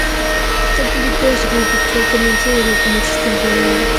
Esta película significó el comienzo de lo que muchos consideran la decadencia del italiano.